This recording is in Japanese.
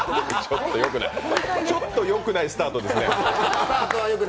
ちょっとよくないスタートですね。